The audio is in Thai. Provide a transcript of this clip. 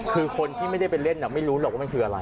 คือคนที่ไม่ได้ไปเล่นไม่รู้หรอกว่ามันคืออะไร